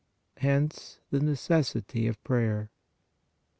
Hence the necessity of prayer.